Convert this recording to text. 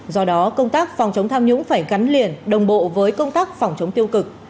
do đó công tác phòng chống tham nhũng phải gắn liền đồng bộ với công tác phòng chống tiêu cực